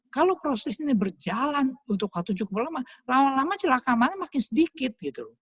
kalau proses ini berjalan untuk h tujuh puluh lima lama lama celah kamarnya makin sedikit